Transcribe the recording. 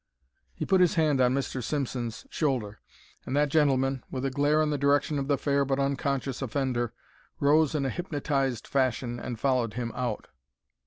He put his hand on Mr. Simpson's shoulder, and that gentleman, with a glare in the direction of the fair but unconscious offender, rose in a hypnotized fashion and followed him out.